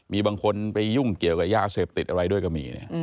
มีบางคนไปยุ่งเกี่ยวกับยาเสพติดอะไรด้วยก็มี